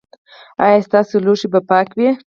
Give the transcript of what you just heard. ایا ستاسو لوښي به پاک وي؟